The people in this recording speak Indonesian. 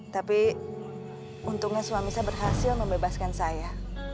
tapi untungnya suami saya berhasil membebaskan saya